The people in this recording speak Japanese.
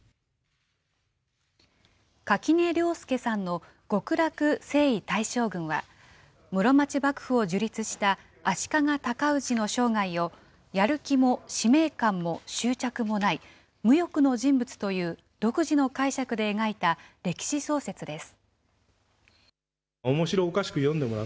垣根涼介さんの極楽征夷大将軍は、室町幕府を樹立した足利尊氏の生涯を、やる気も使命感も執着もない、無欲の人物という独自の解釈で描いた歴史小説です。